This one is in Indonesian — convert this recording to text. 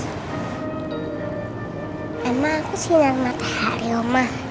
emang aku sinar matahari oma